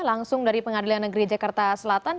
langsung dari pengadilan negeri jakarta selatan